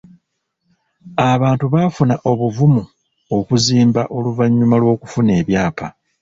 Abantu baafuna obuvumu okuzimba oluvannyuma lw'okufuna ebyapa.